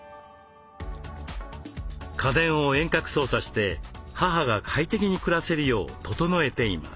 家電を遠隔操作して母が快適に暮らせるよう整えています。